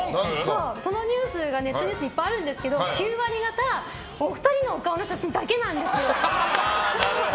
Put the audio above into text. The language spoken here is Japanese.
そのネットニュースいっぱいあるんですけど９割がた、お二人のお顔の写真だけなんですよ。